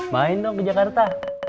main dong di jakarta